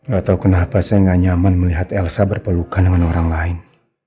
gak tau kenapa saya gak nyaman melihat elsa berpelukan dengan orang lain